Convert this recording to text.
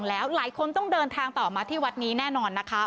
แล้วหลายคนต้องเดินทางต่อมาที่วัดนี้แน่นอนนะคะ